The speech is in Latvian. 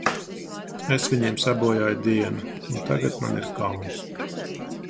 Es viņiem sabojāju dienu, un tagad man ir kauns.